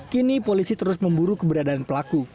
kini polisi terus memburu keberadaan pelaku